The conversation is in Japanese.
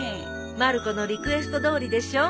まる子のリクエストどおりでしょ。